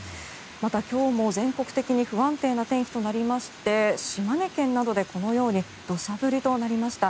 また、今日も全国的に不安定な天気となりまして島根県などで、このように土砂降りとなりました。